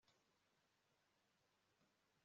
birakonje cyane